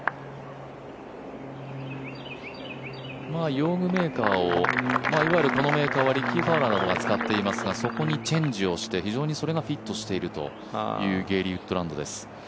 用具メーカーを、いわゆるこのメーカーはリッキー・ファウラーなどが使っていますが、そこにチェンジしてそれが非常にフィットしているというゲーリー・ウッドランドです。